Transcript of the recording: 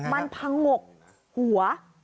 มันผงกหัว